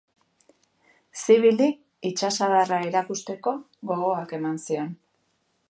Zivili itsas indarra erakusteko gogoak eman zion.